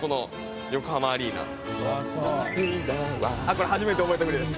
これ初めて覚えた振りです。